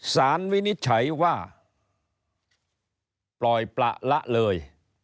วินิจฉัยว่าปล่อยประละเลย